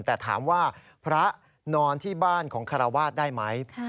แต่ถามว่าพระนอนที่บ้านของคาราวาสได้ไหม